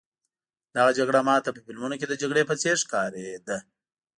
دغه جګړه ما ته په فلمونو کې د جګړې په څېر ښکارېده.